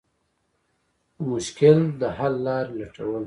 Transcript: د مشکل د حل لارې لټول.